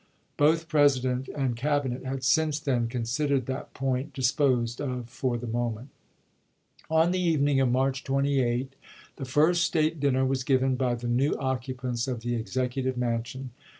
Both President and Cabinet had since then considered that point disposed of for the moment. i86i. On the evening of March 28, the first state din ner was given by the new occupants of the Execu tive Mansion.